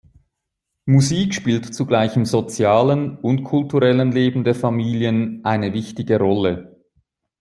Musik spielt zugleich im sozialen und kulturellen Leben der Familien eine wichtige Rolle.